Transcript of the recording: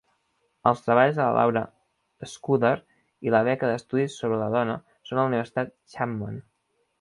Els treballs de Laura Scudder i la beca d'estudis sobre la dona són a la Universitat Chapman.